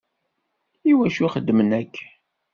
Iwacu xeddmen akken?